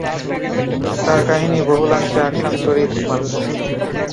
তাঁর কাহিনী বহুলাংশে আখ্যান-চরিত মাত্র।